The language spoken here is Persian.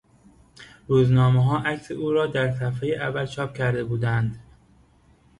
روزنامهها عکس او را در صفحهی اول چاپ کرده بودند.